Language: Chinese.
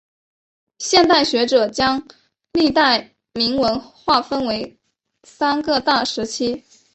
现代学者将历代铭文划分为三个大时期。